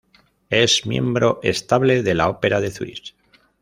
Es miembro estable de la Ópera de Zúrich.